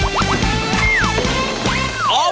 อบจมาสลง